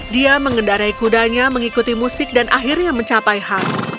dia mengendarai kudanya mengikuti musik dan akhirnya mencapai hangus